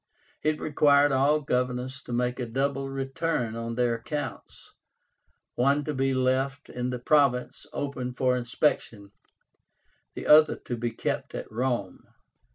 It required all governors to make a double return of their accounts, one to be left in the province open for inspection, the other to be kept at Rome.